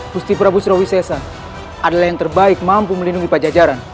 gusti prabu srawisesa adalah yang terbaik mampu melindungi pajajaran